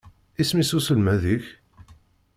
Isem-is uselmad-ik?